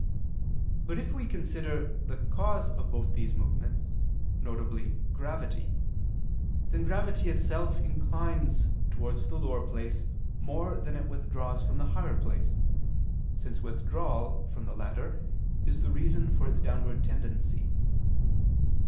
But if we consider the cause of both these movements, viz. gravity, then gravity itself inclines towards the lower place more than it withdraws from the higher place, since withdrawal from the latter is the reason for its downward tendency.